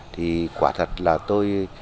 thì quả thật là tôi